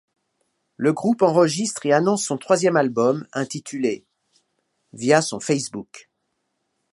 Le groupe enregistre et annonce son troisième album, intitulé ', via son Facebook.